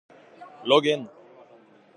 Logg inn